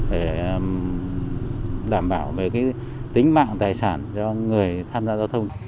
để đảm bảo về tính mạng tài sản cho người tham gia giao thông